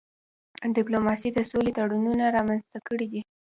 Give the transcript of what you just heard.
ډيپلوماسی د سولي تړونونه رامنځته کړي دي.